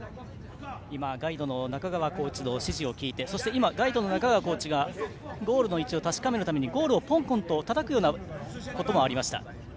ガイドの中川コーチの指示を聞いてそしてガイドの中川コーチがゴールの位置を確かめるためにゴールをたたくこともありました。